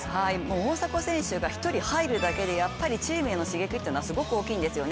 大迫選手が１人入るだけでチームへの刺激はすごく大きいんですよね。